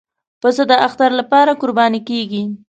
پسه د اختر لپاره قرباني کېږي.